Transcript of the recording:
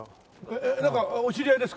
えっなんかお知り合いですか？